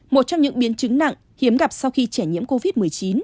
một trong những biến chứng nặng hiếm gặp sau khi trẻ nhiễm covid một mươi chín